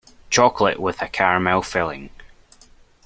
Chocolate with a caramel filling.